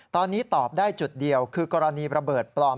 ตอนนี้ตอบได้จุดเดียวคือกรณีระเบิดปลอม